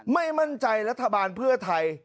ไม่มั่นใจรัฐบาลเพื่อไทย